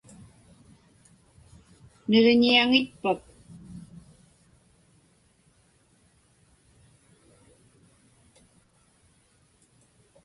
Niġiñiaŋitpak?